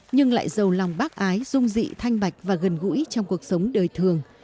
nhưng lại giàu lòng bác ái dung dị thanh bạch và gần gũi trong cuộc sống đời thường